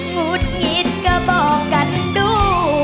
งุดหงิดก็บอกกันด้วย